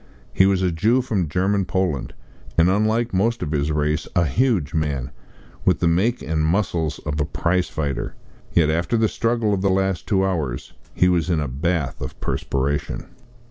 He was a Jew from German Poland, and, unlike most of his race, a huge man, with the make and the muscles of a prize fighter. Yet, after the struggle of the last two hours he was in a bath of perspiration.